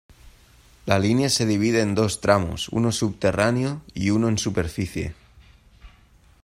La línea se divide en dos tramos: uno subterráneo y uno en superficie.